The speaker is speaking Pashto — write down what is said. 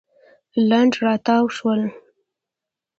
لنډ راتاو شول.